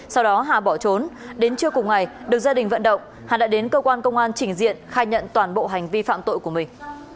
sau đó hà bỏ trốn đến trưa cùng ngày được gia đình vận động hà đã đến cơ quan công an trình diện khai nhận toàn bộ hành vi phạm tội của mình